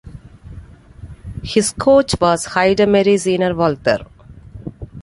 His coach was Heidemarie Seiner-Walther.